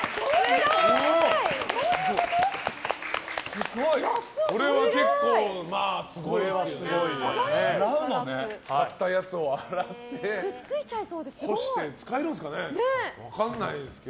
すごい！これは結構すごいですよね。